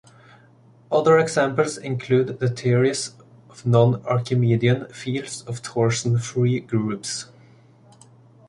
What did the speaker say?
Other examples include the theories of non-archimedean fields and torsion-free groups.